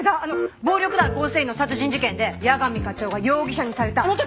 暴力団構成員の殺人事件で矢上課長が容疑者にされたあの時！